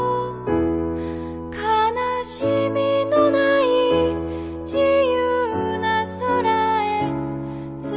「悲しみのない自由な空へ」